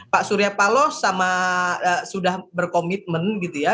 pak surya paloh sama sudah berkomitmen gitu ya